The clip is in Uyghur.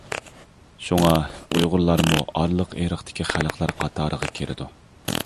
شۇڭا، ئۇيغۇرلارمۇ ئارىلىق ئىرقتىكى خەلقلەر قاتارىغا كىرىدۇ.